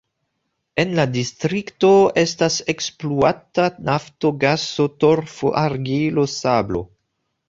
En la distrikto estas ekspluatata nafto, gaso, torfo, argilo, sablo.